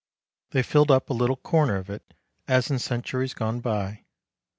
They filled up a little corner of it as in centuries gone by.